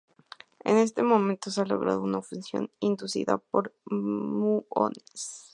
En ese momento se ha logrado una fusión inducida por muones.